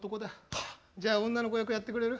はっ！じゃあ女の子役やってくれる？